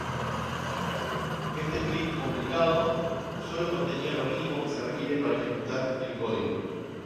Este script compilado sólo contenía lo mínimo que se requiere para ejecutar el código.